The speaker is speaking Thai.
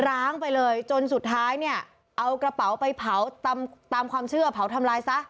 ร้างไปเลยจนสุดท้ายเนี่ยเอากระเป๋าไปเผาตามความเชื่อเผาทำลายซะ